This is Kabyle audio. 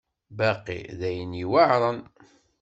Baqi d ayen yuεren.